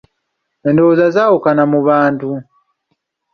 Endowooza zaawukana mu bantu.